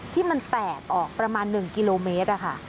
ที่มันแตกออกประมาณ๑กิโลเมตร